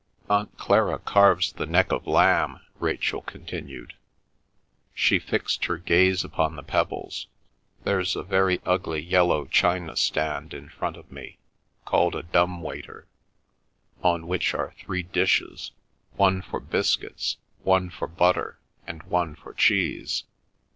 "Aunt Clara carves the neck of lamb," Rachel continued. She fixed her gaze upon the pebbles. "There's a very ugly yellow china stand in front of me, called a dumb waiter, on which are three dishes, one for biscuits, one for butter, and one for cheese.